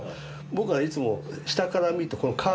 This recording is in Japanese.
僕はいつも下から見るとこのカーブ？